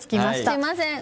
すいません。